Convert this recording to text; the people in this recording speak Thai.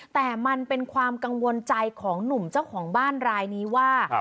แต่มันเป็นความกังวลใจของหนุ่มเจ้าของบ้านรายนี้ว่า